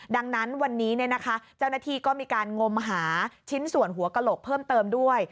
ดังนั้นวันนี้เจ้าหน้าที่ก็มีการงมหาชิ้นส่วนหัวกระโหลกเพิ่มเติมด้วย